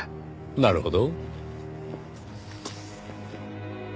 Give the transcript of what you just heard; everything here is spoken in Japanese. なるほど。